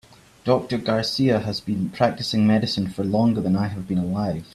Doctor Garcia has been practicing medicine for longer than I have been alive.